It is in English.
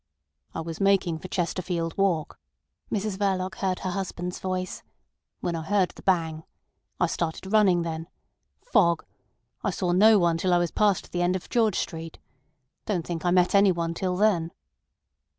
"I was making for Chesterfield Walk," Mrs Verloc heard her husband's voice, "when I heard the bang. I started running then. Fog. I saw no one till I was past the end of George Street. Don't think I met anyone till then."